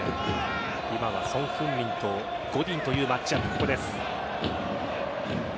今はソン・フンミンとゴディンというマッチアップ。